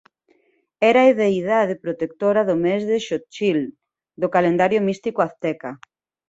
Era a deidade protectora do mes de Xochitl do calendario místico azteca.